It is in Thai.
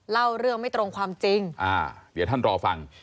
เล่าเรื่องไม่ตรงความจริงอ่าเดี๋ยวท่านรอฟัง